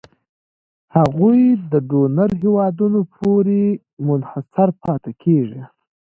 هغوی د ډونر هېوادونو پورې منحصر پاتې کیږي.